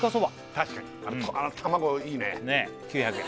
確かにあの卵いいねねっ９００円